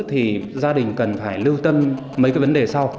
thì gia đình cần phải lưu tâm mấy cái vấn đề sau